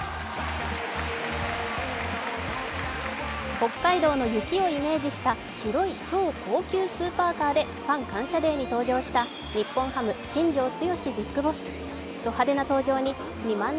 北海道の雪をイメージした白い超高級スーパーカーでファン感謝デーに登場した日本ハム・新庄監督